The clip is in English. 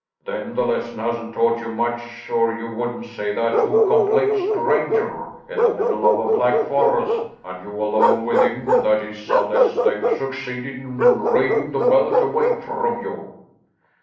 "Then the lesson hasn't taught you much, or you wouldn't say that to a complete stranger in the middle of a black forest, and you alone with him, that is, unless they've succeeded in reiving the belt away from you?"